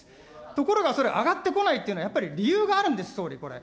ところがそれ、上がってこないっていうのは、やっぱり理由があるんです、総理、これ。